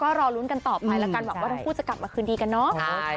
ก็รอลุ้นกันต่อไปแล้วกันหวังว่าทั้งคู่จะกลับมาคืนดีกันเนาะ